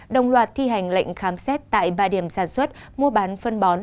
đồng loạt thi hành lệnh khám xét tại ba điểm sản xuất mua bán phân bón